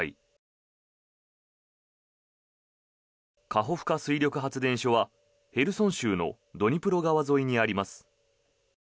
カホフカ水力発電所はヘルソン州のドニプロ川沿いにあります。